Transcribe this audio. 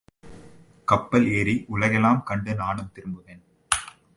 கப்பல் ஏறி உலகெலாம் கண்டு நானும் திரும்புவேன்.